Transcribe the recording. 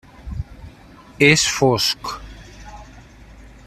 És fosc.